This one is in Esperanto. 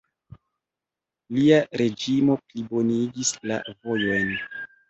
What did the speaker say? Lia reĝimo plibonigis la vojojn.